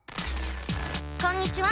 こんにちは。